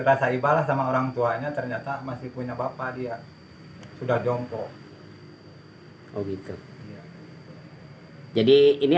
berasa ibadah sama orang tuanya ternyata masih punya bapak dia sudah jompo oh gitu jadi ini